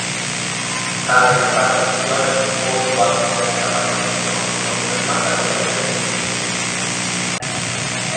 Tale ripartizione fu poi, quasi senza variazioni, confermata con decreti successivi.